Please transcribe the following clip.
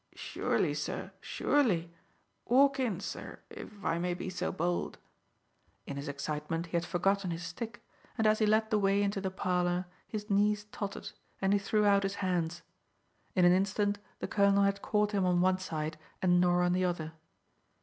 "Surely, sir, surely; walk in, sir, if I may be so bold." In his excitement he had forgotten his stick, and as he led the way into the parlour his knees tottered, and he threw out his hands. In an instant the colonel had caught him on one side and Norah on the other.